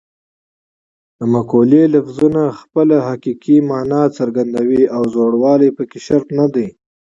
د مقولې لفظونه خپله حقیقي مانا څرګندوي او زوړوالی پکې شرط نه دی